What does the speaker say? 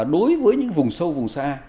đối với những vùng sâu vùng xa